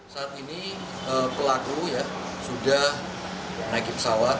saat ini pelaku sudah menaiki pesawat